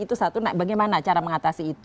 itu satu bagaimana cara mengatasi itu